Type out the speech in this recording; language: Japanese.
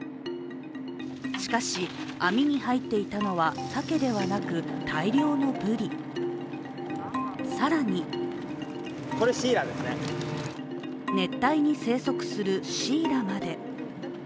しかし、網に入っていたのはサケではなく、大量のブリ、更に熱帯に生息するシイラまで。